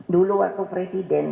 dulu aku presiden